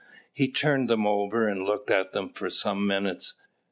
He turned them over, and looked at them for some minutes.